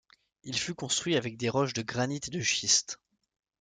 Il fut construit avec des roches de granit et de schiste.